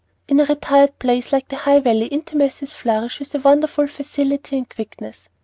In a retired place like the High Valley intimacies flourish with wonderful facility and quickness.